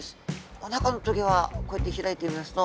おなかの棘はこうやって開いてみますと。